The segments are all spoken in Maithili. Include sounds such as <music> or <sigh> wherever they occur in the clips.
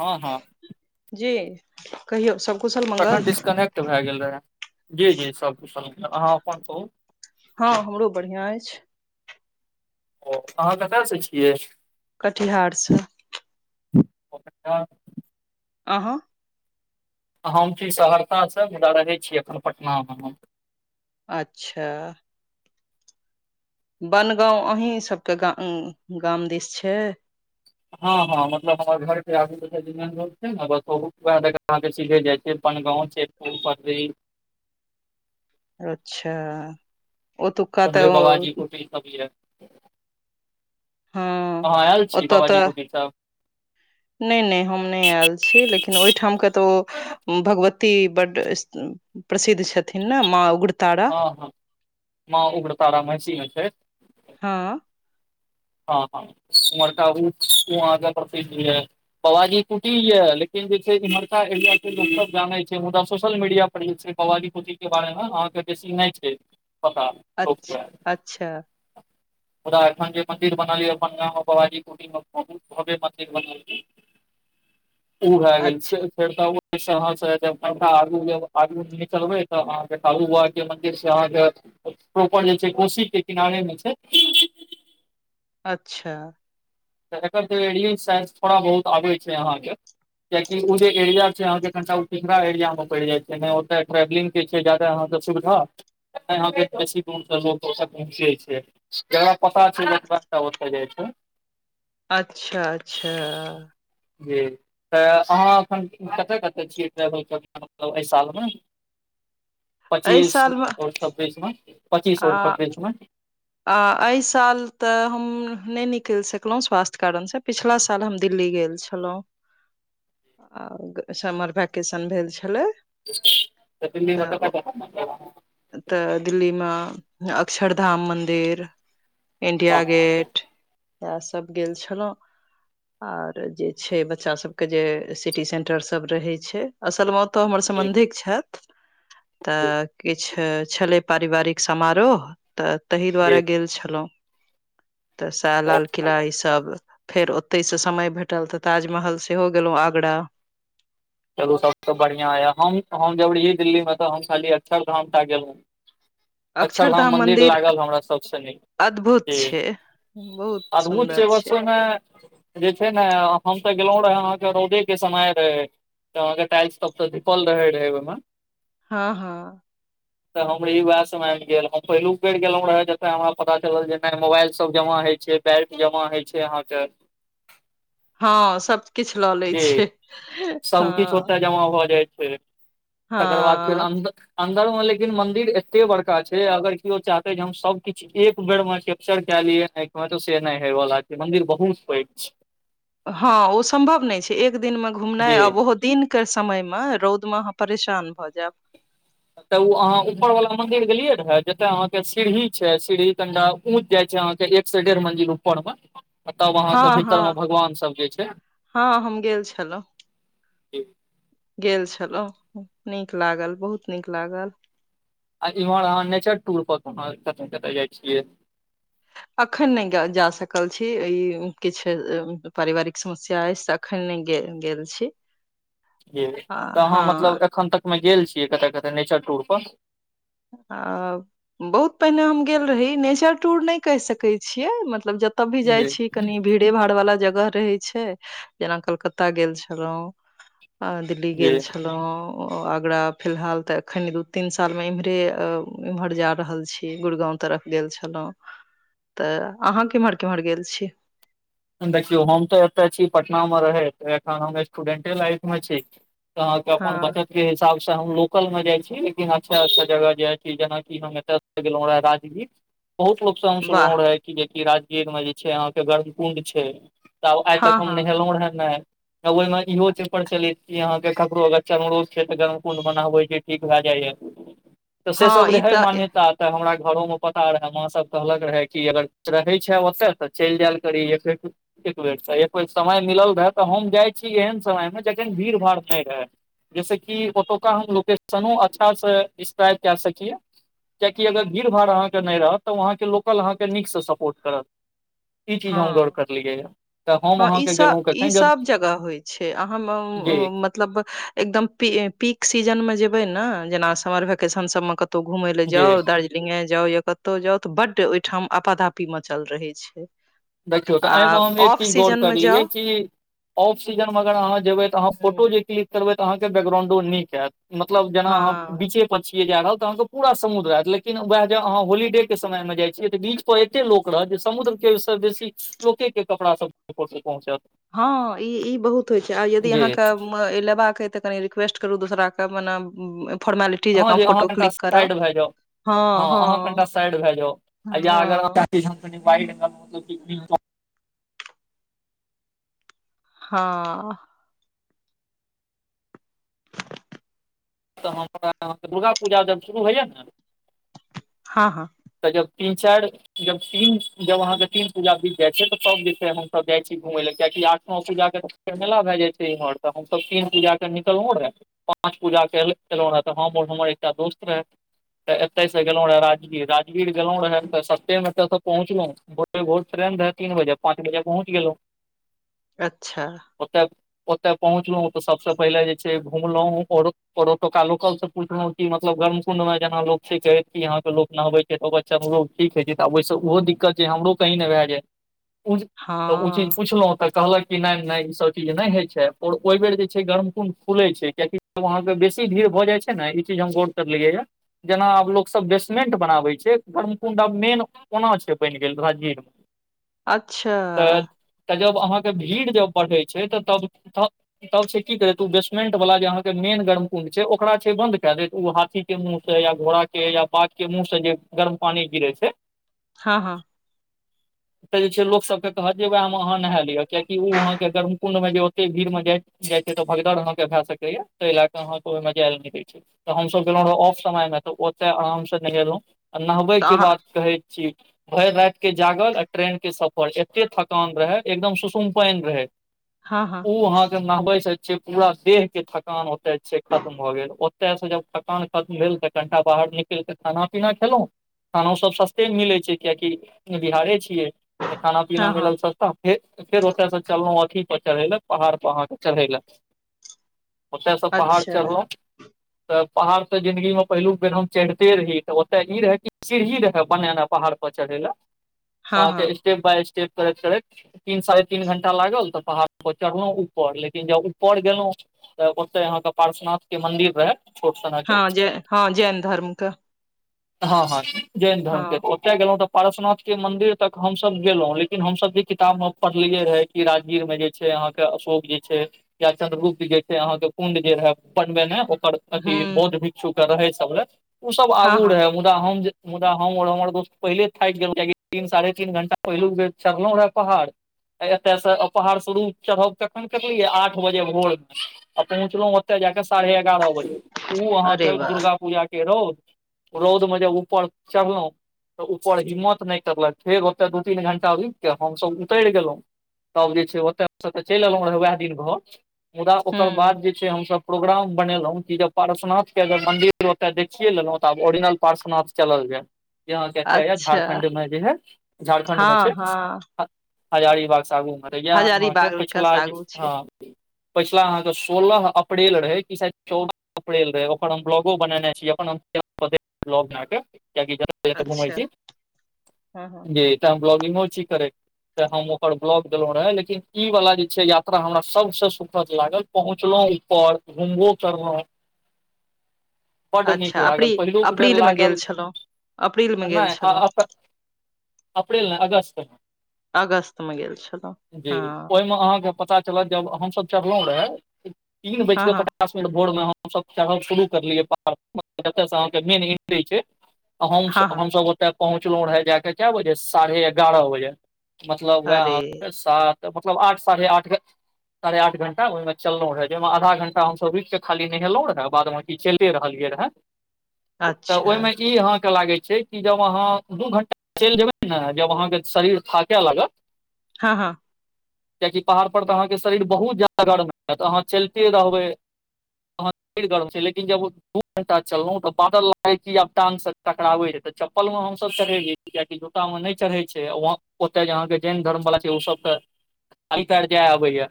हँ-हँ जी कहियौ सब कुशल-मंगल तखन डिस्कनेक्ट भए गेल रहै जी-जी सब कुशल मंगल अहाँ अपन कहू हँ हमरो बढ़ियाँ अछि। ओ अहाँ कतऽ से छियै। कटिहार सँ ओकरा <inaudible> अहाँ हम छी सहरसा सँ मुदा रहै छी एखन पटना मे हम अच्छा बनगाँंव अहीं सबके गाउ गाम दिस छै हँ-हँ मतलब हमर घर के आगू मे जे छै ने बस अहाँके सिधे जाइ छै पनगाँव छै फूल पर्री अच्छा ओतुका उम्हरे तऽ बाबाजी कुटी हँ अहाँ ऐल छी बाबाजी कुटी सँ नय-नय हम नय ऐल छी लेकिन ओहिठाम कतौ भगवत ती बबड्ड प्रसिद्ध छथिन न माँ उग्र हँ-हँ माँ उग्रतारा महिषी मे छै हँ हँ-हँ उम्हरका श आगाँ प्रसिद्ध यै पबाजी कुटी यै लेकिन जे छै इम्हरका एरिया- तेरिया सब जाने छै मुदा सोशल मीडिया पर रील छै बबाजी पोथीके बारेमे अहाँके बेसी नय छै पता लोक के अच्छ अच्छा मुदा एखन जे मंदिर बनल य बनगाँंव मे बाबाजी कुटी मे बहुत भव्य मंदिर बनल य। उ भ गैल छै अच्छा फेर त से जब पा आ-आगू निकलबे तब अहाँके मन्दिर छै अहाँके ऊपर जे छै कोशी के किनारे में छै अच्छा त एकर जे रील साइंस थोड़ा बहुत आबै छै अहाँके कियाकि उ जे एरिया छै अहाँके कटा िरा एरिया मे पैड़ जाय छै ओत ट्रेवलिंग के छै ज्यादा अहाँके सुविधा ताँय अहाँके बेसी दूरो स लोक-सब पहुँचै छै जकरा पता छै ओ ओतः जाइ छै अच्छा-अच्छा जी तऽ अहाँ एखन कतऽ-कतऽ छियै ट्रैवल कर मतलब एहि साल में एहि पच्चीस सालमे और छब्बीस में पच्चीस आ और छब्बीस में आ एहि साल तऽ हम नहि निकैल सकलहुॅँ स्वास्थ्य कारण स पिछला साल हम दिल्ली गेल छलौह हेलो <inaudible> आ समर वैकेशन भेल छलै। तऽ दिल्ली में कत तऽ कत गेल रहि तऽ दिल्लीमे अक्षरधाम मन्दिर,, इंडिया गेट इएह सब गेल छलहुँ। आर जे छै बच्चा सब के जे सिटी सेंटर सब रहे छै। असलमे ओतौ हमर जी सम्बन्धिक छथि। जी तऽ किछु छलै पारिवारिक समारोह तऽ। ताहि दुआरे जी गेल छलहुँं तऽ साह लाल ओके किला ई सब। फेर ओतैसँ समय भेटल तऽ ताजमहल सेहो गेलहुँ आगरा। चलू सभसँ बढ़िआँ यए हम हम जब रहियै दिल्लीमे तऽ हम खालियी अक्षरधाम टा गेलहुँ। अक्षरधाम मन्दिर लागल हमरा सभस नीक अद्भुत जी। छै बहुत अद्भुत सुन्दर छै वर्षोमे। जे छै ने हम तऽ गेलहुं रहे अहाँके रौदे के समय रहे। तऽ अहाँके टाइल् सब िपल रहे रहे ओहिमे, हँ हँ। <inaudible> तऽ हमरे वएह सम आबि गेल हम पहिलुक बेर गेलों रहे जे हमरा पता चलल जे नहि मोबाइल सब जमा होइ छै। बेलट जमा होइ छै अहाँके। हँ सब किछु लऽ लै छै, हँ सभकिछु ओतय जमा भऽ जाइ छै तकर बाद फेर हँ अन्दर। अंन्दर में लेकिन मंदिर एते बड़का छै अगर केओ चाहते जे हम सब किछु एक बेर में छै। लिय नहि हे मंदिर बहुत पैघ। छै हँ ओ सम्भव नहि छै एक दिन मे घुमनाइ जी आ बहुत दिन। के समय मे रौद मे अहाँ परेशान भऽ जायब। तऽ ओ अहाँ ऊपर वाल मंिर गेलियै रह जते अहाँ के सीढ़ी छै सीढ़ी कंडा पहुँच जाय छै अहाँके एक से डेढ़ मंदिर ऊपर मे तब अहाँके हँ हँ भीतर मे भगवान सब जे छै हँ हम गेल छलहुँं। गेल छलहुँ नीक लागल बहुत नीक लागल। आ इमरा अने ूर पर को खतम करथ जाइ छियै। अखन नहि जा सकल छी ई किछ पारिवारिक समस्या अछि। ओखने गेल छी। जी आ तऽ अहाँ हँ मतलब एखन तकमे गेल छियै कतअ कतअ नेचर टूर पर। आ बहुत पहिने हम गेल रही नेचर टूर नहि कहि सकैत छियै मतलब जत। तऽ भी जाइ जी छी कनी भीड़े- भाड़ वाला जगह रहै छै जेना कलकत्ता गेल छलहुँं। दिल्ली जी गैल छलहुँं, आगरा फिलहाल तऽ एखन दू - तीन साल में इमहर। रे इम्हर जा रहल छी गुड़गाँंव तरफ गैल छलहुँ। तऽ अहाँ केम्हर केम्हर गैल छी। देखियौ, हम तऽ एतय छी। पटना मे रहैत एखन हम स्टूडेंटे लाइफ मे छी। अहाँके हँ अपन बचत। के हिसाब सँ हम लोकल मे जाइ छी, लेकिन अच्छा- अच्छा जगह जाइ छी, जेनाकि हम एतय सँ गेलहुं रह राजगीर। बहुत लोक सँ हम वाह सुनलहुँ रहै कि जेकि राजगीर मे जे छै अहाँके गरम कुण्ड छै। तब आइ हँ तक हम हँ नहेलहु रहै नै। ओहि मे इहो छै प्रचलित की अहां के ककरो अगर चर्म रोग छऐ त गर्म कुंड मै नाहबेै कै ठीक भय जाय या। तऽ से हँ सब ई रहै तऽ मान्यता। तऽ हमरा घरो में पता रहै, माँ सब कहलक रहै कि अगर रहै छै ओते तऽ चलि जायल। करी य फेर <inaudible> एक बेेर सँ एक बेर समय मिलल रहै तऽ हम जाइ छी एहन समयमे जखन भीड़- भाड़ नहि रहै। जहिसँ कि ओतुकऽ हम लोकेशनो अच्छासँ ड़िस्क्राईब कए सकियै कियाकि अगर भीड़ -भाड़ अहाँ केै नहि रहत तऽ ओ अहाँ कै लोकल अहाँकै नीकसँ सपोर्ट करत। ई चीज हम गौर हँ करलियै यऽ तऽ हम हँ ई अहाँके सब गेलहुँ ई कखन जब सब जगह होइ छै अहाँ मै जी मतलब एकदम पी पीक सीजनमे जेबै न जेना समर वकेेशन सब मे कत तऽ घुमय लेल जी जाउ दार्जि लिंगे जाउ या कतौ जाउ तऽ बड्ड ओइठाम आपधापी मे चल रहैत छै देखियौ आ तऽ एइमे हम एक ऑफ चीज गौर सीजन मे जाउ कैलियै कि ऑफ सीजनमे अगर अहाँ जेबै तऽ अहाँ फोटो हूँ जे क्लिक करबै तऽ अहाँ बैकग्राउंडो नीक एत मतलब जेना हँ अहाँ बीचे पछिए जा रहल तऽ अहाँके पूरा समुद्र एत लेकिन वेह जे अहाँ होलीडे के समयमे जाइ छियै तऽ बीच त एते लोक रहत जे समुद्र के से बेसी लोके के कपड़ा सब उपर से पहुँचत। हँ ई ई बहुत होइत छैए आ यदि जी अहाँ के म ई लेबा क ऐ त कने रिक्वेस्ट करू दूसरा के मने--फार्मेलि हा जै अहाँ कनिटा साइड भै जाउ। हँ अहाँ कनि टा साइड भे जाउ या ज अगर हँ अहाँ कनी टा वाइड हेब त <unintelligible> <unintelligible> हँऽऽ तऽ हमरा अहाँकेँ दुर्गापूजा जब शुरू होइए नै हँ-हँ तैऔ तीन-चैर जब तीन जब अहाँकेँ तीन पूजा बीत जाइ छै तऽ तब सब जे छै हम सभ जाइ छी घुमय लेल किएकि आठ- नओ पूजाकेँ तऽ मेला भए जाइ छै इमहर तऽ हमसभ तीन पूजाकेँ निकलहुँ पाँच पूजा कऽ चलैत एलौंहें तऽ हम आ हमर एकटा दोस्त रैहै तऽ एतय से गेलौ रहै राजगीर, राजगीर गेलौं रहे तऽ सस्ते मे एतय से पहुँचलहुँ। भोेरे-भोर त्रेन रहै तीन बजे पाँच बजे पहुँच गेलौ। अच्छा। ओतय ओतय पहुँचलहुँ तऽ सभसँ पहिले जे छै घुमलहुँ और और ओतुका लोकलसँ पूछलहुँ कि मतलब गर्मकुंड मे जेना लोक छै कि यहाँ के लोक नहबै <unintelligible> मे रोग ठीक होइ छै त आब ओइ से ओहो दिक्कत जे हमरो कहीं ने भे जे। ऊंज तऽ ऊ चीज हँ पुछलहुँ तऽ कहलक कि नय-नय ई सब चीज नय होय छै आओर ओइ बेर जे छै गर्मकुंड खुले छै कियेकि वहां तऽ बेसी भीड़ भऽ जाइ छै ने ई चीज हम गौर करलियै ये? जेना आब लोकसब बेसमेंट बनाबै छै गर्मकुंड आब मेन। ओना छै बनि गेल राजगीर मे। अच्छा! तऽ जब अहाँके भीड़ जब बढ़ै छै तऽ तब ओत तब से की करै तऽ उ बेसमेंट बला जे अहाँके मेन गर्मकुण्ड छै, ओकरा छै बंद के देत उ हाथी के मुंह से या घोड़ा के या बाघ के मुँह से जे गर्म पानी गिरै छै हँ हँ <inaudible> तऽ जे छै लोक सबके कहलियै वैह मे अहाँ नहे लिय कियेकि ओ अहाँ के गर्मकुंड मे जे ओ तै भीड़ मे जाइ छै तऽ भगदड़ अहाँ के भे सकैये तै ले कऽ तें अहाँ के ओइ मे जैए नै दै छै तऽ हमसब गेलौं रह ऑफ समय मे तऽ ओत आराम से नहेलौं। आ तऽ नहबैके अहाँ बात कहै छी। भरि राति के जागल आ ट्रेन के सफर एत्ते थकान रहै एकदम सुसुम पानि रहै। हँ-हँ। ऊ अहाँ के नहबै छै से पूरा देह के थकान ओतय से खतम भऽ गेल ओतय से जब थकान खत्म भेल तऽ कनिटा बाहर निकैल कऽ खाना- पीना खेलौं। खानोसभ सस्तेमे मिलै छै कियेकि बिहारे छियै तऽ खाना पीना हँ हँ मिलल सस्ता फेर फेर ओतयसँ चललौं अथी पर चढ़य लए पहाड़ पर अहाँके चढ़य लए ओतयसँ पहाड़ अच्छा चढ़लौं तऽ पहाड़ ते जिंन्दगी मे पहिलुक बेर हम चैढ़ते रही तऽ ओतय ई रहै कि सीढ़ी रहे बनेने पहाड़ पर चढ़ै ले हँ हँ अहाँके स्टेप- बाय- स्टेप करैत चढ़ैत तीन- साढ़े- तीन घंटा लागल तऽ पहाड़ पर चढ़लौं ऊपर लेकिन जब ऊपर गेलौं तऽ ओ तय अहाँ के पार्श्वनाथ के मंदिर रहै। छोट सनक हँ जै हँ जैन धर्म के हँ हँ जैन धर्म के तऽ गेलों तऽ पारसनाथ के मंदिर तक हमसब गेलौं लेकिन हमसब जे किताब मे पढ़लियै रहै राजगीर मे जे छै अहाँके अशोक जे छै या चंन्द्रगुप्त जे छै अहाँके कुण्ड जे रहै बनबेने ओकर अथी हूँ बौद्ध भिक्षु के रहै सब ले उ सब हँ आगू हँ रहै मुदा हम जे मुदा हम आओर हमर दोस्त पहिले थाकि गेलि कियेकि तीन साढ़े तीन घंटा पहिलुक बेर चढ़लौं रहै पहाड़ एतयसँ अपहार शुरूप चढ़ब कखन करलीयइ आठ बजे भोरमे आ पहुँचलौं ओतय जाकऽ साढ़े एगारह बजे उ अरे अहाँके वाह दुर्गा पूजा के रौद रौद मे जे उपर चढलौं तऽ ऊपर हिम्मत नय करलक फेर ओते दू तीन घंटा रूकि के हमसभ उतरि गेलहुँ तब जे छै ओतयसँ तऽ चलि एलौं रहे उएह दिन घर मुदा ओकर हूँ बाद जे हमसब प्रोग्राम बनेलौं की जब पारस्वनाथ के मंदिर ओते देखिये लेलौं तऽ आब ओरिजिनल पार्स्वनाथ चलल जे अहाँके एतय ये अच्छा झारखण्डमे जे हय झारखण्डमे छै हँ हँ हजारीबागसँ आगू मे तऽ येह अहाँके हजारीबाग पछिला कस आगू छै हँ पछिला आ तऽ सोलह अप्रैल रहै कि शायद चौदह अप्रैल रहै ओकर हम ब्लॉगो बनेने छी अपन हम <unintelligible> कियेकि घुमै अच्छा छी हँ हँ जे तऽ हम ब्लॉगिंगों छी करैत से हम ओकर ब्लॉग देलौं रहेय लेकिन ई वाला जे छै यात्रा हमरा सबसँ सुखद लागल। पहुँचलौं ऊपर घुमबो करलो बड्ड नीक अच्छा लागल पहिलुक बेर लागल। अप्रीलमे गेल छलहुँ। अप्रील नइ अगस्त मे गेल छलौं अगस्तमे जी हँ ओहि मे आहा के पता नइ चलब हमस चढ़लों रेहै तीन हँ बजीक हँ पाँच बजे भोर मे हम चढ़ब शुरू करलियै पहाड़ पर एत स आहाके हम हँ हँ हमसभ ओतय पहुँचलहुँ रहे जा कऽ कए बजे सारे एगारह बजे मतलब अरे वएह सात मतलब आठ सारे आठ सारे आठ घण्टा ओहिमे चलहुं रहै जाहिमे आधा घंटा हमसभ रुकिकऽ खाली नहेलहुँ रहे बादमे बाकी चलिते रहलियै रहए तऽ अच्छा ओहिमे ई अहाँके लागै छैय कि जब अहाँ दू घंटा चलि जेबै ने जब अहाँके शरीर थाकय लागत हँ कियाकि पहाड़पर तऽ अहाँके शरीर बहुत ज्यादा गरम होइए तऽ अहाँ चलिते रहबै काफी गरम छै लेकिन जब दू घंटा चलहुं तऽ बादल लागे रहय आब टाँंग से टकराबे रह तऽ चप्पल मे हम सब चढ़ेलियै कियाकि जूतामे नहि चढ़ै छै ओतय जे अहाँके जैन धर्मशला छै ओसभ तऽ एहिपर जाय आबैया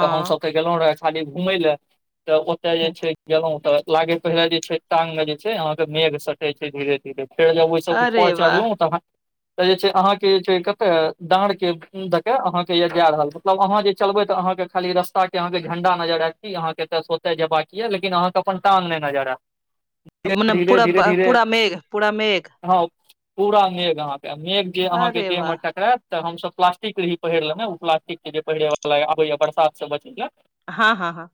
तऽ हमसभ ते गेलहुँ रहे खाली घूमय ले तऽ ओतय जे छै गेलहु तऽ लागे पहिले जे छै टांग मे जे छै अहाँके मेघ सटे छै धीरे धीरे फेर जब ओहि सब ऊपर अरे वाह चढ़लहुँ तहन त जे छै अहाँके जे छै कते डाँड़ के द के अहाँके जाय रहल मतलब अहाँ जे चलबै तऽ अहाँके खाली रस्ता के अहाँके झंडा नजर आयत क कि अहाँके एतऽ स ओते जेयबाक ये लेकिन अहाँके अपन टांग नइ नजर आत धीरे मने धीरे पूरा धीरे ब- धीरे पूरा मेघ पूरा मेघ हँ पूरा मेघ अहाँके मेघ जे अहाँके अरे देह वाह मे टकरात तऽ हमसब प्लास्टिक रही पहिर लेने ओ प्लास्टिक के जे पहिरे वाल आबे या बरसात से बचे लए हँ हँ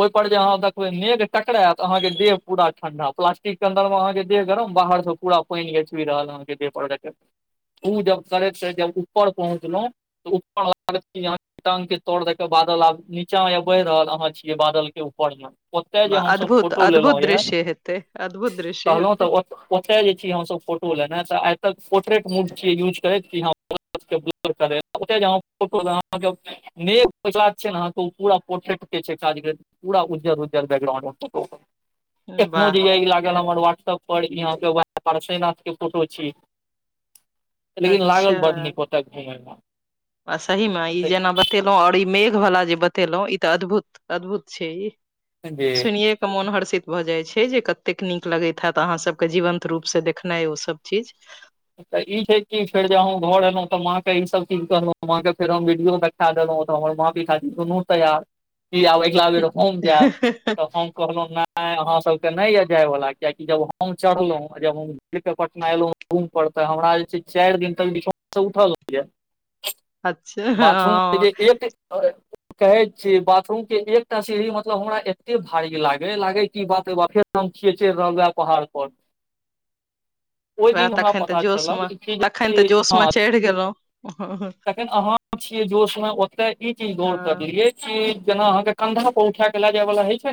ओह पर जे अह देखब मेघ टकरायत अहं के देह पूरा ठंडा प्लास्टिक के अंर मे अहाँ के देह गरम बाहर से पूरा पानि गच <unintelligible> भी रहलके देह। ओ जब करे करेत जब ऊपर पहुंचलो त ऊपर टंग के त। बादल आब नीचा मे बहि रहल अहाँ छीयै बादल के ऊपर मे। ओतय जे वाह हमसब अद्भुत फोटो अद्भुत लेलहुॅं ये दृश्य हेतै अद्भुत दृश्य कहलहुं तऽ हेतै ओ। ओतय जे छी हमसभ फोटो लेनाइ तऽ आइ तक पोर्ट्रेट मूड छियै यूज करैत कि। <inaudible> ्त फो ने। <inaudible> ात छै ने पूरा पूरा उज्जर उजर्राउंड। एकनो ज वाह ई लागेर वट्सअप। पर <unintelligible> यहाँ केसनाथ के फोटो छी लेकिन लागल अच्छा बड़ नीक। <unintelligible> तऽ। आ सहीमे ई जेना बतेलहुँ आओर ई मेघ वाला जे बतेलहुं ई तऽ अद्भुत अद्भुत छै जी सुनेय केऽ मोन हर्षित भऽ जाइ छै जे कतेक नीक लगैत हत अहाँ सबके जीवंत रूपसँ देखनाइ ओसभ। चीज तऽ ई छै कि फेर जे हम घर एलहुँ तऽ माँ के ई सब चीज कहलहुं माँ के फेर हम वीडियो खाद तऽ <unintelligible> हमरमी खादीनू त यार। की जे आब एकग बेरम जाब त हम कहलहु। आ अहाँसभके नहि यए जायवला कियकि जब हम चढ़लहुँ जब हम भड़ कऽ पटना एलहुँ। रुमपर तऽ हमरा जे छै चारि दिन तक विसँ उठल होया। अच्छा बाथरूम। हँ कहै छीिय बाथरूम के एकटा सीढ़ी मतलब हमरा एते भारी लागे लागे क बात फेर। एकदम खियच रहे पहाड़प पर। <inaudible> वएह तखन तऽ जोश मे तखन तऽ जोश मे चढ़ि गेलहुँ छियै जोश मे ओते ई चीज दौर हँ करलियै। ई जेना अहाँके कन्धा प उठा के ल जायवला होय छै।